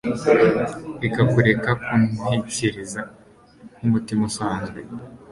Reka kureka kuntekereza nkumuntu usanzwe.